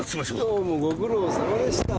どうもご苦労さまでした。